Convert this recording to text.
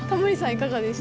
いかがでした？